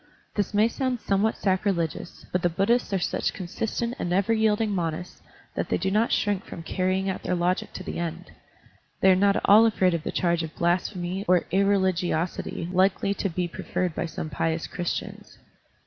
This may sotmd somewhat sacrilegious, but the Buddhists are such consistent and never yielding monists that they do not shrink from carrying out their logic to the end ; they are not Digitized by Google 130 SERMONS OF A BUDDHIST ABBOT at all afraid of the charge of blasphemy or irre ligiosity likely to be preferred by some pious Christians.